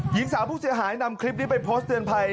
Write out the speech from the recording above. หญิงสาวผู้เสียหายนำคลิปนี้ไปโพสต์เตือนภัย